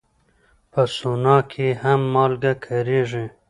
په سونا کې هم مالګه کارېږي.